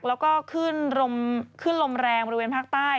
แล้วก็ขึ้นลมแรงบริเวณภาคใต้